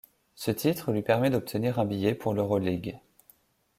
Ce titre lui permet d'obtenir un billet pour l'Euroligue.